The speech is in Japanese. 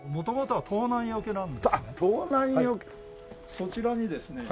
そちらにですね